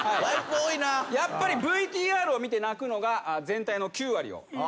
やっぱりＶＴＲを見て泣くのが全体の９割を占めています。